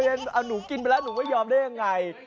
เอาหนูกินไปแล้วหนูไม่ยอมได้ยังไง